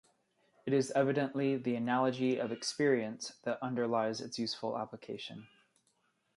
It is evidently the "analogy of experience" that underlies its useful application.